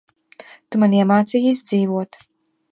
Tu man iemācīji izdzīvot.